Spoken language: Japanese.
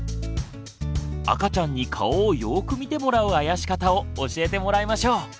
赤ちゃんに顔をよく見てもらうあやし方を教えてもらいましょう。